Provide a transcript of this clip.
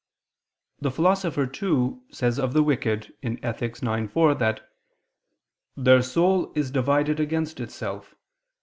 The Philosopher, too, says of the wicked (Ethic. ix, 4) that "their soul is divided against itself